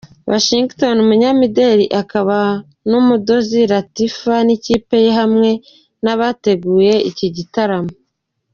Washington, Umunyamideri akanaba mudozi Latifah n'ikipe ye hamwe nabateguye iki gitaramo.